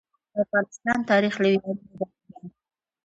د افغانستان تاریخ له ویاړونو ډک دی.